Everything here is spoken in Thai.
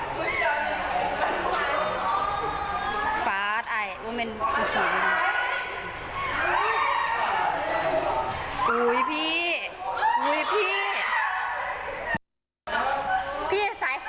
สวัสดีครับทุกคน